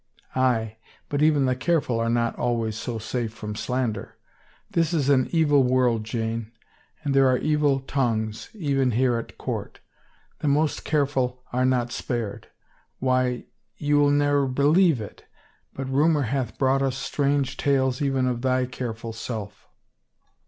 " Aye, but even the careful are not always so safe from slander! This is an evil world, Jane, and there are evil tongues, even here at court! The most careful are not spared. Why — you will ne'er believe it! — but rumor hath brought us strange tales even of thy careful self!